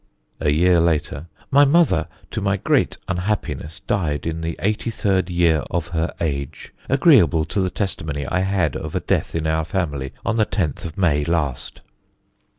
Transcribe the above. A year later: "My mother, to my great unhappiness, died in the 83rd year of her age, agreeable to the testimony I had of a death in our family on the 10th of May last."